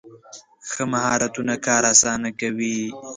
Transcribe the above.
ښه مهارتونه کار اسانه کوي.